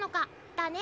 だね。